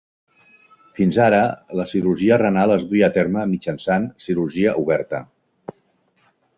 Fins ara, la cirurgia renal es duia a terme mitjançant cirurgia oberta.